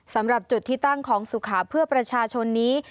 สำหรับจุดที่ตั้งของสุขาเพื่อประชาชนนี้